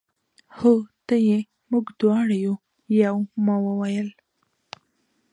هو ته یې، موږ دواړه یو، یو. ما وویل.